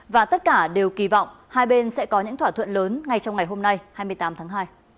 và tất cả đều kỳ vọng hai bên sẽ có những thỏa thuận lớn ngay trong ngày hôm nay hai mươi tám tháng hai